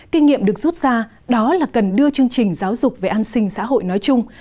kinh nghiệm được rút ra đó là cần đưa chương trình giáo dục về an sinh xã hội nói chung